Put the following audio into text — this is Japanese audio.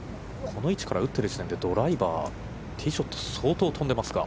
この位置から打ってる時点でドライバー、ティーショット、相当、飛んでますが。